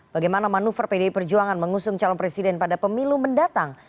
bagaimana manuver pdi perjuangan mengusung calon presiden pada pemilu mendatang